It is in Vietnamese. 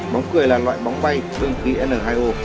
bóng cười là loại bóng bay đương khí n hai o